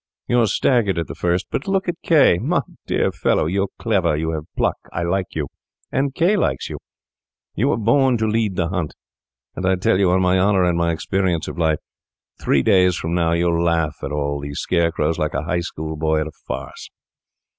You're staggered at the first. But look at K—! My dear fellow, you're clever, you have pluck. I like you, and K— likes you. You were born to lead the hunt; and I tell you, on my honour and my experience of life, three days from now you'll laugh at all these scarecrows like a High School boy at a farce.